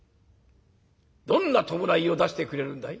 どんな葬式を出してくれるんだい？」。